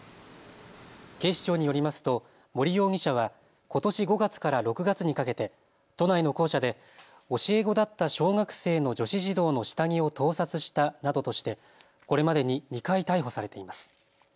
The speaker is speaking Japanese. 警視庁によりますと森容疑者はことし５月から６月にかけて都内の校舎で教え子だった小学生の女子児童の下着を盗撮したなどとしてこれまでに２回、逮捕されています。